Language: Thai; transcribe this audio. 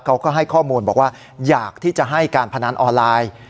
เขาก็ให้ข้อมูลบอกว่าอยากที่จะให้การพนันออนไลน์